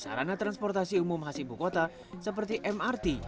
sarana transportasi umum khas ibu kota seperti mrt